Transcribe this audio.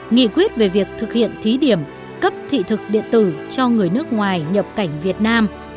nghị quyết về việc thực hiện thí điểm cấp thị thực điện tử cho người nước ngoài nhập cảnh việt nam